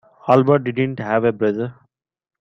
Albert didn't have a brother.